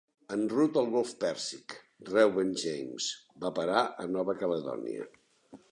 En ruta al golf Pèrsic, "Reuben James" va parar a Nova Caledònia.